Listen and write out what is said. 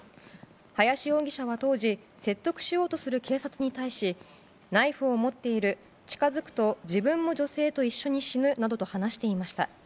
林容疑者は当時説得しようとする警察に対しナイフを持っている近づくと自分も女性と一緒に死ぬなどと話していました。